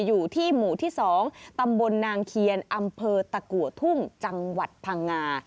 อยู่ที่หมู่ที่๒ตำบลนางเคียนอำเภอตะกัวทุ่งจังหวัดพังงา